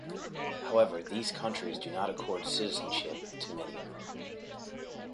However these countries do not accord citizenship to many of them.